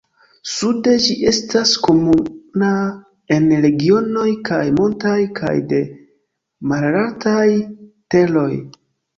Sude ĝi estas komuna en regionoj kaj montaj kaj de malaltaj teroj.